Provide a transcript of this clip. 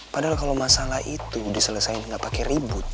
padahal kalau masalah itu diselesaikan nggak pakai ribut